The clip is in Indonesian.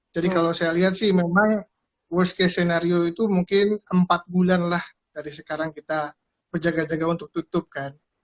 jadi kalau saya lihat sih memang worst case scenario itu mungkin empat bulan lah dari sekarang kita berjaga jaga untuk tutup kan